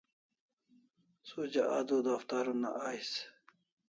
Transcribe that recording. Suja auda daftar una ais